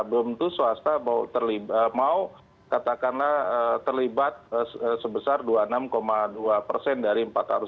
belum tentu swasta mau katakanlah terlibat sebesar dua puluh enam dua persen dari empat ratus lima puluh